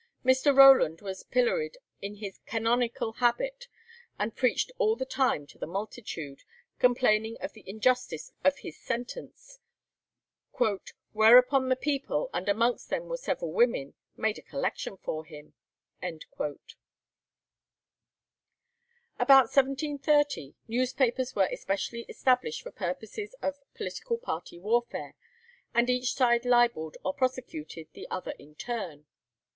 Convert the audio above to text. Mr. Rowland was pilloried in his canonical habit, and preached all the time to the multitude, complaining of the injustice of his sentence, "whereupon the people, and amongst them were several women, made a collection for him." About 1730, newspapers were especially established for purposes of political party warfare, and each side libelled or prosecuted the other in turn.